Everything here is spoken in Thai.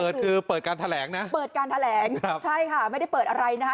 เปิดคือเปิดการแถลงนะเปิดการแถลงครับใช่ค่ะไม่ได้เปิดอะไรนะคะ